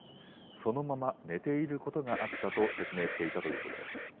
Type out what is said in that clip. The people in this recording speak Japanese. そのまま寝ていることがあったと説明していたということです。